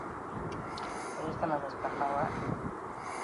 Guztiekin egoteko aukera izango dugu, pilotalekuko giroa gertutik ezagutzeko.